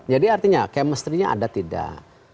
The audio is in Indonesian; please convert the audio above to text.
jadi artinya kemestrinya ada tidak